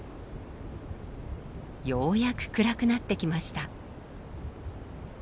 ようやく暗くなってきました。